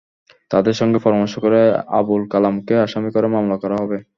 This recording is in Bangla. তাঁদের সঙ্গে পরামর্শ করে আবুল কালামকে আসামি করে মামলা করা হবে।